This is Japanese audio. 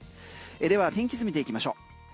では天気図見ていきましょう。